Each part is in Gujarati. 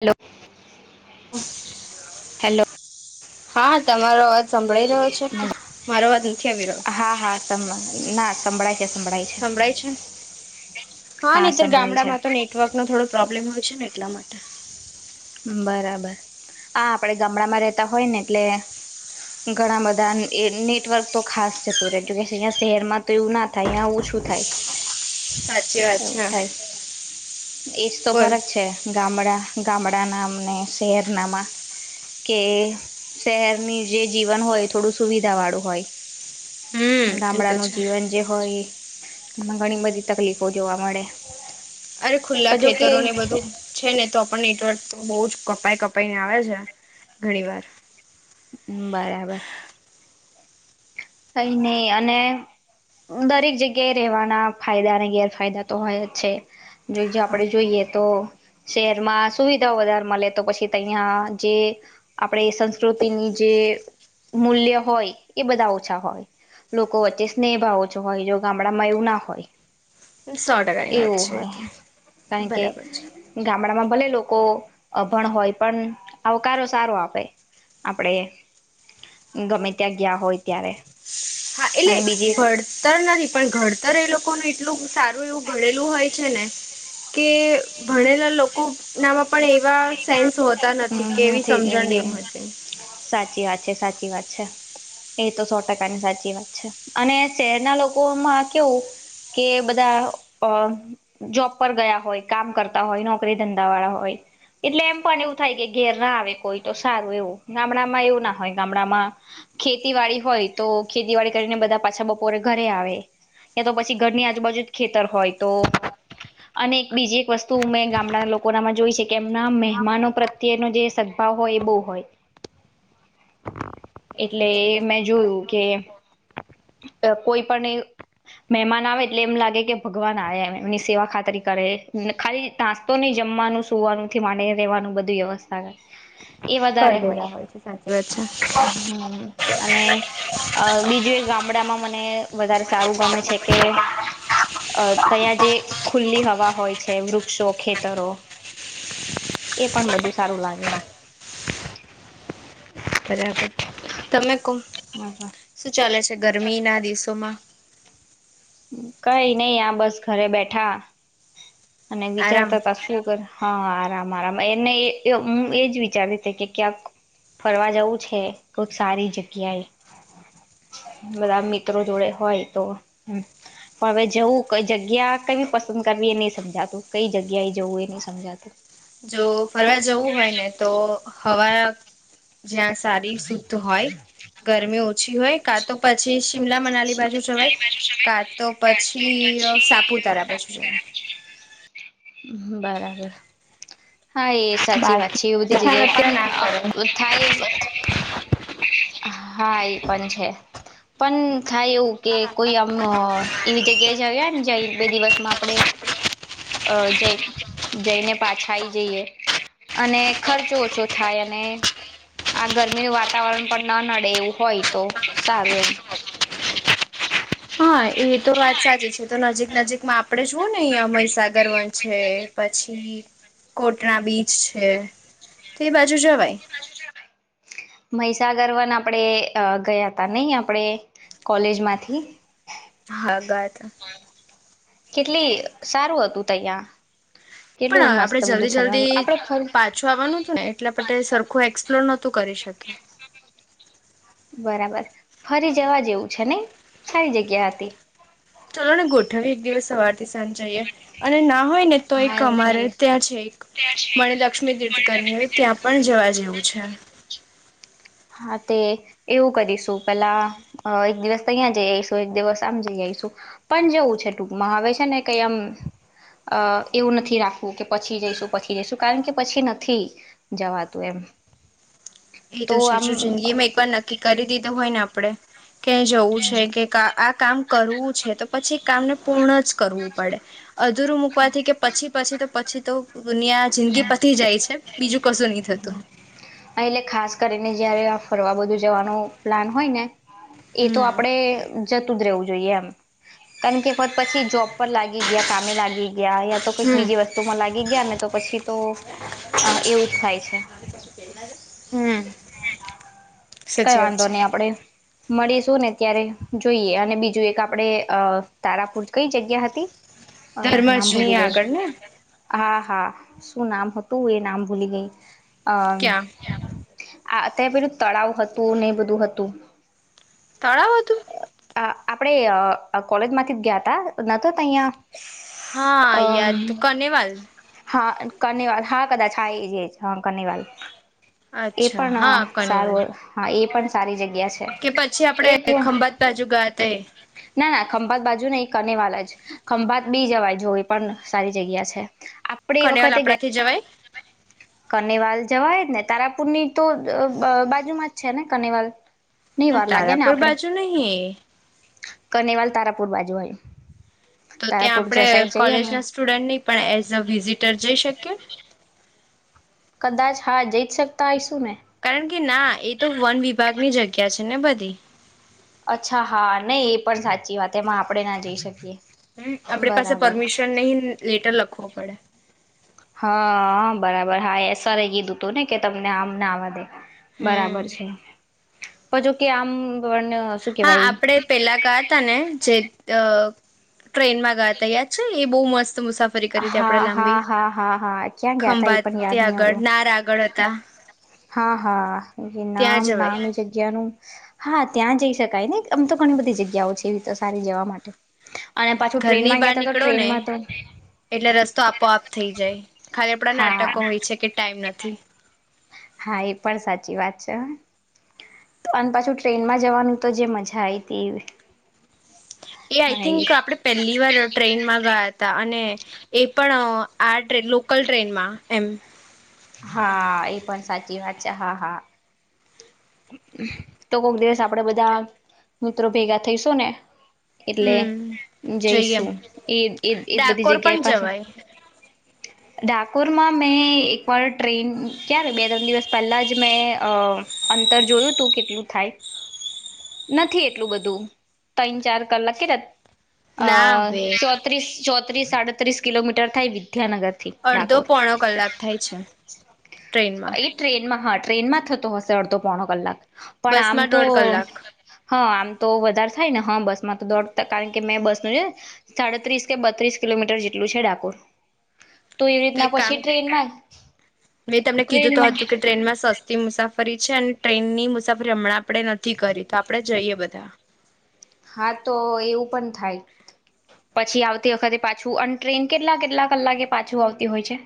હલો. હા તમારો સંભળાઈ રહ્યો છે, મજા મારો વાત નથી આવી રહ્યો. સંભળાઈ છે સંભળાય છે. હા નેત્યારે સંભળાય છે ગામડામાં તો નેટવર્ક નો થોડો પ્રોબ્લેમ હોય છે ને એટલા માટે. બરાબર હા આપડે ગામડામાં રેતા હોય ને એટલે ઘણા બધા નેટવર્ક તો ખાસ જતું રહેે કે શહેરમાં તો એવું ના થાય ઓછું થાય. સાચી વાત છે એજ તો બોલ ફરક છે ગામડા ગામડા ને શહેર નામાં કે શહેરની જે જીવન હોય થોડું સુવિધા વાળું હોય. હમ એ તો ગામડાનું છે જીવન જે હોય એ એમા ઘણી બધી તકલીફો જોવા મળે અરે ખુલ્લા પણ જોકે ખેતરોને બધું છે ને તો પણ નેટવર્ક તો બોજ કપાઈ કપાઈને આવે છે, ઘણી વાર બરાબર કઈ નઈ અને દરેક જગ્યાએ રહેવાના ફાયદા અને ગેરફાયદા તો હોયજ છે, જો જો હા આપડે જોઈએ તો શહેરમાં સુવિધાઓ વધારે મળે તો પછી તહંયા જે આપણેે સંસ્કૃતિની જે મૂલ્ય હોય એ બધા ઓ છા હોય, લોકો વચ્ચે સ્નેહભાવ ઓછો હોય, જો ગામડામાં એું ના હોય. સો ટકાની વાત એવું છે, હોય. કારણ કે બરાબર છે. ગામડામાં ભલે લોકો અભણ હોય, પણ આવકારો સારો આપે આપડે ગમે ત્યાં ગયા હોય. ત્યારે. એટલે અને બીજી એક ઘડતર નથી પણ ઘડતર એ લોકો. એટલું સારું એવું ભણેલું હોય છે ને કે ભણેલા લોકો. લોકો નામાં પણ એવા સેન્સ હોતા નથી કે હમ એવી સમજણ નથી નહી હોતી. સાચી વાત છે સાચી વાત છે એ તો સો ટકાની સાચી વાત છે અને શહેરના લોકોમાં કેવું કે બધા જોબ પર ગયા હોય કામ કરતા હોય નોકરી. ધંધા વાળા હોય એટલે એમ પણ એવું થાય કે ઘેર આવે કોઈ તો સારું એવું ગામડામાં એવું ના હોય ગામડામાં ખેતી વાડી હોય તો ખેતીવાડી કરીને બધા પાછા બપોરે ઘરે આવે ત્યા તો પછી ઘરની આજુબાજુ જ ખેતર હોય તો અને એક બીજી એક વસ્તુ મે. લોકો નામાં જોય છે કે એમના મહેમાનો પ્રત્યેનો જે સદભાવ હોય એ બહ હોય એટલે મેં જોયું કે. કોઈ પણ મહેમાન આવે એટલે એમ લાગે કે ભગવાન આ એમ એમની સેવા ખાતરી કરે ખાલી નાસ્તો નહી જમવાનું સવાનું થી ડી રહેેવાનું બધું વ્યવસ્થા કરે. એ વધારે કરી દેતા છે સાચી વાત હોય અને બીજું એક ગામ. મને વધારે સારું ગમે છે કે. અ તં જે. ખુલ્લી હવા હોય છે વૃક્ષો ખેતરો. એ પણ બધું સારું લાગે એમ. બરાબર તમે. શું ચાલે છે ગરમી ના દિવસોમાં. કઈ નહ આ બસ ઘરે બેઠા. અને આરામ વિચારતા ત શું કર. હા આરામ આરામ એને હું એજ વિચારી હતી કે ક્યાંક ફરવા જવું છે કોઈક સારી જગ્યાએ બધા મિત્રો જોડે હોય તો. હમ પણ હવે જવું કઈ જગ્યા કેવી પસંદ કરવી એ નહી સમજાતું કઈ જગ્યા એ જવું એ નહી સમજાતું. તો ફરવા જવું હોય ને તો હવા. જ્યાં સારીર શુદ્ધ હોય ગરમી ઓછી હોય. કા તો પછી શિમલા મનાલી બાજુ જવાય કા તો પછી સાપુતારા બાજુ જવાય. બરાબર. હા એ સાચી વાત બાકી છે એ બધી જગ્યાએ અત્યારે ના પડે. પણ થાય એ. હા એ પણ છે પણ થાય એવું કે કોઈ આમ એવી જગ્યાએ જ ને જ બે દિવસમાં આપણે જઈ જઈને પાછા આવીઈ જઈએ અને ખર્ચો ઓછો થાય અને આ ગરમીનું વાતાવરણ પણ. ન નડે એવું હોય તો સારું એમ. હા એ તો વાત સાચી છે તો નજીક નજીકમાં આપડણે જુવઓ ને અહંયા મહીસાગર વન છે પછી કોટણા બીચ છે તો એ બાજુ જવાય. મહીસાગર વન આપણે ગયા ત નહ આપડે કોલેજમાંથી. હા ગાયત. કેટલી સારું હતું તૈયા. કેટલું પણ મસ્ત આપડે બધું જલ્દી ફરવાનું જલ્દી આપડે ફર પાછું આવવાનું હતું ને એટલા માટે સરખું એક્સપ્લોર નહોતું. તો કરી શક. બરાબર ફરી જવા જેવું છે ને સારી જગ્યા હતી. ચલો ને ગોઠ વ એકખગ સવાર. જઈએ અને ના હોય ને તો હા એક એવું અમારે કરીએ ત્યાં છે એક મણે લક્ષ્મી તીર્થ કરીને ત્યાં પણ જવા જઈ. એવું છે. હા તે એવું કરીશું પેલા એક દિવસ અહીંયા જઈ આવીઈશું એક દિવસ આમ જઈ આવીઈશું પણ જવું છે ટૂકમાં આવે છે ને કઈ આમ એવું નથી રાખવું કે પછી જઈશું પછી જઈશું કારણ કે પછી નથી જવાતું એમ. એ તો છે જો જિંદગી માં એક વાર નક્કી કરી દીધો હોય ને આપ. પડે. કે જવું છે કે કા આ કામ કરવું છે, તો પછી કામને પૂર્ણ જ કરવું પડે. અધૂરું મૂકવાથી કે પછી-પછી તો પછી તો દુનિયા જિંદગી પતી જાય છે. બીજું કશું નહી થતું. એટલે ખાસ કરીને જયારે આ ફરવા બધું જવાનું પ્લાન હોય ને એ તો હમ આપડણે જતું જ રહેવું જોઈએ એમ. કારણ કે વત પછી જોબ પર લાગી ગયા કામે લાગી ગયા યા તો કઈક હમ બીજી વસ્તુ માં લાગી ગયા ને તો પછી તો આહ એવું જ થાય છે. હમ કઈ સાચી વાત વાંધો છે નહી આપડે મળીશું ને ત્યારે જોઈએ અને બીજું એક આપડણે અહ તારાપુર કઈ જગ્યા હતી? ધર્મજની આગળ ને? હા-હા શું નામ હતું? એ નામ ભૂલી ગઈ. અમ. ક્યાં આ તે પેલું તળાવ હ તું ને બધું હતું. તળાવ હતું? આહ આપડે અ કોલેજ માંથી જ ગયા તા. નતો તૈયા? હા, યાત્ કરનેવાલ? કાર્નિવાલ. હા કદાચ હા એજ-એજ હા કાર્નિવાલ. એ અચ્છા પણ હા અહ કનેવલ સારું અ એ પણ સારી જગ કે પછી આપણેે ખંભાત બાજુ ગયા થા એ? ના ના ખંભાત બાજુ નહીં કાર્નિવલઅજ. ખંભાત બી જવાય જો એ પણ સારી જગ્યા છે. ખનેવાલ આપડા થી જવાય? કાર્નિવાલ જવાય જ ને. તારાપુરની તો અહ બ-બાજુમાં જ છે ને કાર્નિવાલ. ના તારાપુર બાજુ નહીં એ. કનેવાલ તારાપુર બાજુ હોય. તો તારાપુર ત્યાં આપણે જ સાઈડ જઈએ ને કોલેજના સ્ટુડન્ટ નહી, પણ એઝ અ વિઝિટર જઈ શકીએ? કદાચ હા જઈ જ શકતા હયશું ને. કારણ કે ના એ તો વન વિભાગની જગ્યા છે ને બધી. અચ્છા હા નહી એ પણ સાચી વાત, એમાં આપણેે ના જઈ શકીએ. હમ્મ, આપડી પાસે બરાબર પરમિશન નહીં, લેટર લખ ખો પડે. હા આહ બરાબર હા એસ આર એ કીધું થું ને કે તમને આમ ના આવા દે. બરાબર હમ છે. પર જો કે આમ પણ શું હા, કેવાય આપડે પેલા ગયા થા ને જે અહ ટ્રેનમાં ગા ત યાર છે એ બહુ મસ્ત. મુસાફરી કરી હતી આપણેે હા હા લાંબી હા હા હા ક્યાં ગયા તા એ પણ ખંભાતી યાદ નહી આગળ આવતું નાર આગળ હતા. હા, હા એ ત્યાં નામ જવાય નામ એ જગ્યાનું. હા, ત્યાં જઈ શકાય ને આમ તો ઘણી બધી જગ્યાઓ છે એવી તો સારી જવા માટે. અને પાછું ઘરની ટ્રેનમાં બહાર ગયા ત તો નીકળો ને ટ્રેનમાં તો એટલે રસ્તો આપોઆપ થઇ જાય. ખાલી આપડા હા નાટકો હોય છે કે ટાઈમ નથી. થી હા, એ પણ સાચી વાત છે, હા તો અને પાછું ટ્રેનમાં જવાનું તો જે મજા આયતી. એ આઈ થિંક આપડે પહેલી વાર ટ્રેનમાં ગયા હતા અને એ પણ આ ટ લોકલ ટ્રેનમાં એમ. હા એ પણ સાચી વાત છે હા હા. તો કોક દિવસ આપડે બધા મિત્રો ભેગા થઈશું ને. એટલે હમ જઈએ જઈશું એ એ એ બધી ડાકોર જગ્યા એ પણ પાસે. જવાય ડાકોરમાં મેં એકવાર ટ્રેન ક્યારે બે ત્રણ દિવસ પહેલા જ મેં અ. અંતર જોયું તું કેટલું થાય નથી એટલું બધું ત્રણ ચાર કલાક કે. અ ના હવે ચોત્રીસ. ચોત્રીસ સાડત્રીસ કિલોમીટર થાય બી અડધો પોણો કલાક થાય છે ટ્રેનમાં. એ ટ્રેનમાં હા ટ્રેનમાં થતો હશે. અડધી પોણો કલાક. પણ આમ બસમાં તો દોઢ કલાક હા આમ તો વધારે થાય ને હા બસ માં તો દોડતા કારણ કે મેં બસ નું છે સાડત્રીસ કે બત્રીસ કિલોમીટર જેટલું છે ડાકોર. એવી તો રીતના એક કામ પછી ટ્રેનમાં મેં તમને કીધું તો ટ્રેનમાં હતું કે ટ્રેનમાં સસ્તી મુસાફરી છે અને ટ્રેનની મુસાફરી હમણાં આપડે નથી કરી તો આપડે જઈએ બધા. હા તો એવું પણ થાય પછી આવતી વખતે પાછું અને ટ્રેન કેટલા કેટલા કલાકે પાછું આવતી હોય છે.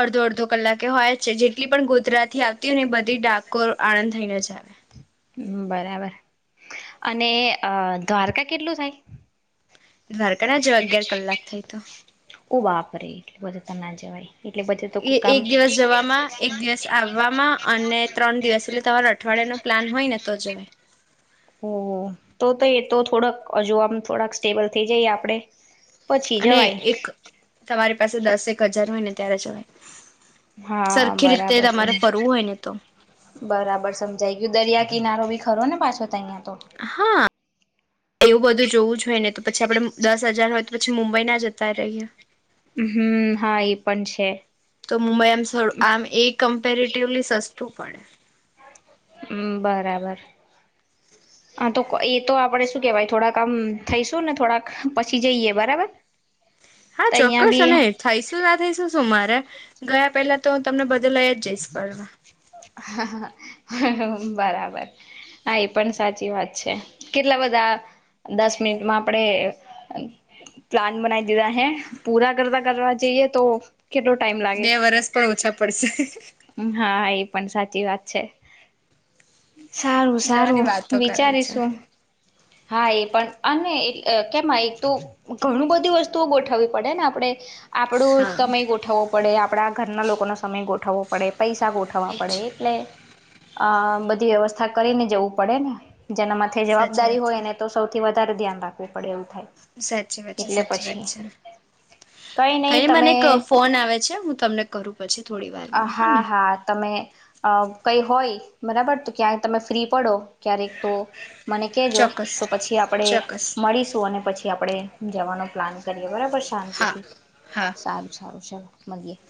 અડધો અડધો કલાકે હોય છે જેટલી પણ ગોધરાતીથી આવતી હોય ને એ બધી ડાકોર આણંદ થઈને જ આવે. બરાબર અને અ દ્વારકા કેટલું થાય? દ્વારકા જો અગિયાર કલાક થઈ તો. ઓ બપરે એટલે બધા તો ન જવાય. એટલે બધે તો કોક એ કામ એક દિવસ જવામાં એક દિવસ આવવામાં અને ત્રણ દિવસ એટલે તમારો અઠવાડિયા નો. પ્લાન હોય ને તો જવાય. ઓ તો તો એ તો થોડાક હજુ આમ થોડાક સ્ટેબલ થઈ જઈ આપડે. પછી અને જવાય એક તમારી પાસે દસક હજાર હોય ને. ત્યારે જવાય. હા સરખી રીતે બરાબર, તમારે ફરવું હોય ને તો બરાબર સમજાઈ ગયું દરિયા કિનારો બી ખરો ને પાછો ત અહીંયા. હા, એવું બધું જોવું જ હોય ને તો પછી આપડે, દસ હજાર હોય તો પછી મુંબઈ ના જતા રહીએ. હમ્મ હા એ પણ છે. તો મુંબઈ એમ સ આમ એ કમ્પેરેટિવલી સસ્ તું પડે. હમ્મ બરાબર, હા તો એ તો આપણે શું કેવાય થોડાક આમ થઈશું ને થોડાક પછી જઈએ બરાબર. હા તો અહિયાં ચોક્કસ બી અને થઈશું ના થઈસુ શું મારે ગયા પેલા તો તમને બધું તો લયજ જઇસ ફરવા. બરાબર હા એ પણ સાચી વાત છે, કેટલા બધા દસ મિનિટમાં આપડે અ પ્લાન બનાવી દીધા હે પૂરા કરતા કરવા જઈએ તો કેટલો ટાઈમ બે વરસ પણ ઓછા પડશે. હમ્મ હા એ પણ સાચી વાત છે. જવાની સારું-સારું વાતો કરાય છે વિચારીશું. હા એ પણ અને એ અ કેમ એક તો ઘણું બધી વસ્તુઓ ગોઠવવી પડે ને આપળે આપડું હા સમય ગોઠવવો પડે, આપળા ઘરના લોકોનો સમય ગોઠવવો પડે પૈસા ગોઠવવા એજ પડે એટલે અ બધી વ્યવસ્થા કરીને જવું પડે ને. જેના મથે જવાબ સાચી દારી વાત હોય ને છે તો સૌ કે વધારે ધ્યાન રાખવુ પડે એવું થાય સાચી વાત છે, એટલે સાચી વાત પછી છે કઈ નહી કઈક મને તમે એક ફોન આવે છે હું તમને કરું પછી થોડી વારમાં હા ને હા-હા તમે અ કઈ હોય બરાબર તો ક્યાં તમે ફ્રી પડો ક્યારેક તો મને, કેજો ચોક્કસ તો પછી આપળે ચોક્કસ મળીશું અને પછી આપળે જવાનો પ્લાન કરીએ બરાબર પણ હા શાંતિથી, હા સારું સારું ચલો. મળીયે.